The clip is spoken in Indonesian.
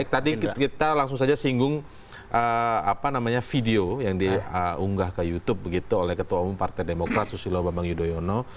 baik tadi kita langsung saja singgung video yang diunggah ke youtube begitu oleh ketua umum partai demokrat susilo bambang yudhoyono